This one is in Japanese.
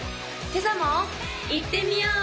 今朝もいってみよう！